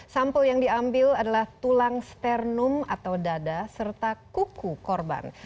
sampel yang diambil adalah tulang sternum atau dada serta kuku korban